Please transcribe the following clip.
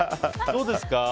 どうですか？